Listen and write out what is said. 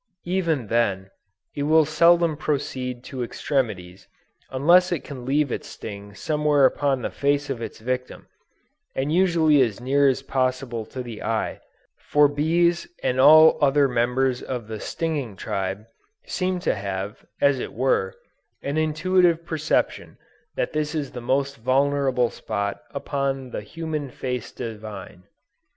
Even then, it will seldom proceed to extremities, unless it can leave its sting somewhere upon the face of its victim, and usually as near as possible to the eye; for bees and all other members of the stinging tribe, seem to have, as it were, an intuitive perception that this is the most vulnerable spot upon the "human face divine."